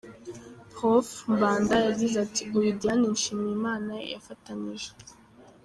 Prof Mbanda yagize ati "Uyu Diane Nshimyimana yafatanije.